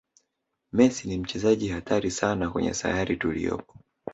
messi ni mchezaji hatari sana kwenye sayari tuliyopo